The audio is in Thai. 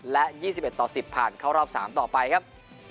๒๐๒๒๒๑๑๘และ๒๑๑๐ผ่านเข้ารอบ๓ต่อไปครับ